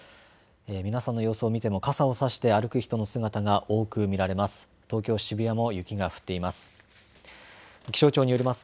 皆さんの様子を見ても傘を差して歩く人の姿が多く見られます。